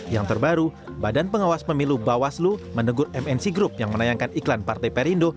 yang terbaru badan pengawas pemilu bawaslu menegur mnc group yang menayangkan iklan partai perindo